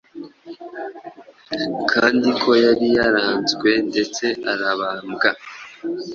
kandi ko yari yaranzwe ndetse arabambwa